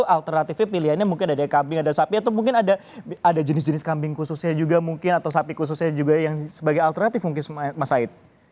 jadi alternatifnya pilihannya mungkin ada kambing ada sapi atau mungkin ada jenis jenis kambing khususnya juga mungkin atau sapi khususnya juga yang sebagai alternatif mungkin mas said